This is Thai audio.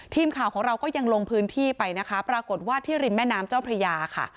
ทีมข่าวของเราก็ยังลงพื้นที่ไปนะคะปรากฏว่าที่ริมแม่น้ำเจ้าพระยาค่ะ